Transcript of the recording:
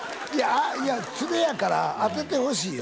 いやツレやから当ててほしいよ